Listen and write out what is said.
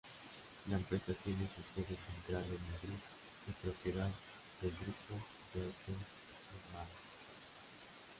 La empresa tiene su sede central en Madrid y propiedad del grupo Bertelsmann.